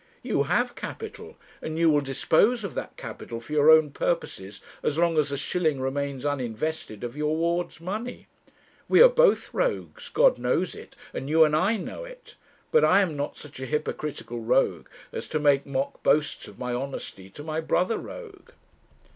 You have capital, and you will dispose of that capital for your own purposes, as long as a shilling remains uninvested of your ward's money. We are both rogues. God knows it, and you and I know it; but I am not such a hypocritical rogue as to make mock boasts of my honesty to my brother rogue.'